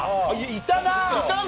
いたな！